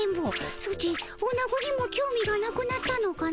ソチおなごにもきょう味がなくなったのかの？